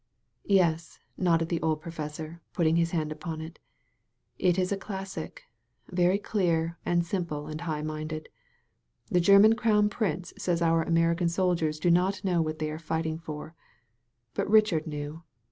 "Yes," nodded the old professor, putting his hand upon it; "it is a classic; very clear and simple and high minded. The German Crown Prince says our American soldiers do not know what they are fighting for. But Richard knew.